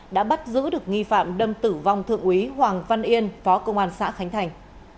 đã bắt giữ được nghi phạm đâm tử vong thượng úy hoàng văn yên phó công an xã khánh thành